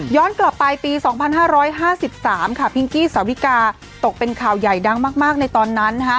กลับไปปี๒๕๕๓ค่ะพิงกี้สาวิกาตกเป็นข่าวใหญ่ดังมากในตอนนั้น